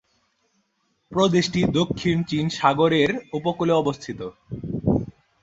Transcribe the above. প্রদেশটি দক্ষিণ চীন সাগরের উপকূলে অবস্থিত।